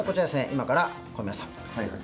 今から小宮さん